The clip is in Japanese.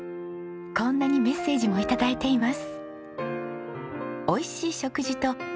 こんなにメッセージも頂いています。